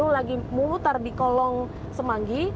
lagi memutar di kolong semanggi